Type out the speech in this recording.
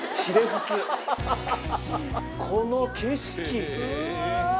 この景色！